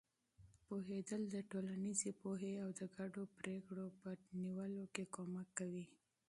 پوهېدل د ټولنیزې پوهې او د ګډو پرېکړو په نیولو کې مرسته کوي.